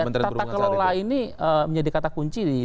tata kelola ini menjadi kata kunci